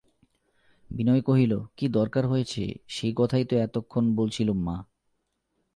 বিনয় কহিল, কী দরকার হয়েছে সেই কথাই তো এতক্ষণ বলছিলুম মা!